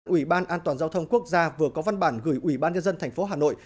ủy ban an toàn giao thông quốc gia vừa có văn bản gửi ủy ban nhân dân thành phố hà nội